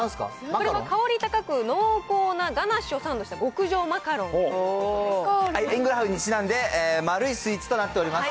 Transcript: これは香り高く濃厚なガナッシュをサンドした極上マカロンと円グラフにちなんで丸いスイーツとなっております。